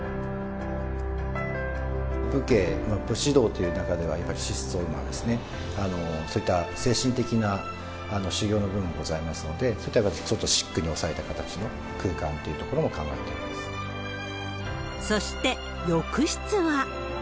武家、武士道という中では、やっぱり質素な、そういった精神的な修行の部分がございますので、そういったシックな形に抑えた形の、空間というところも考えておそして、浴室は。